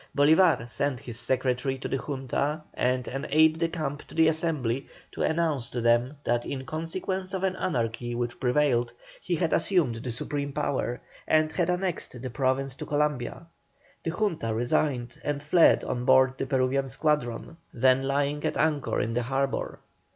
Bolívar sent his secretary to the Junta and an aide de camp to the Assembly, to announce to them that in consequence of the anarchy which prevailed he had assumed the supreme power, and had annexed the Province to Columbia. The Junta resigned and fled on board the Peruvian squadron, then lying at anchor in the harbour.